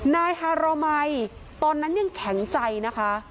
นายฮาโรมัยตอนนั้นยังแข็งใจนะคะ